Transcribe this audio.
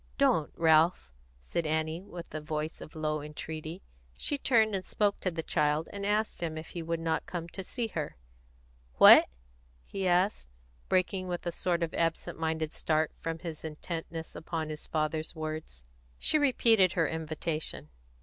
"Don't, Ralph!" said Annie, with a voice of low entreaty. She turned and spoke to the child, and asked him if he would not come to see her. "What?" he asked, breaking with a sort of absent minded start from his intentness upon his father's words. She repeated her invitation.